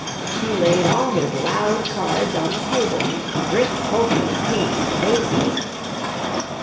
He laid all his loud cards on the table, great hulking kings and aces.